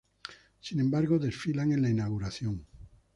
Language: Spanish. Sin embargo, desfilan en la inauguración.